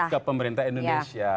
ke pemerintah indonesia